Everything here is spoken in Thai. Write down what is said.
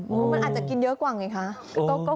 มันอาจจะกินเยอะกว่าไงคะ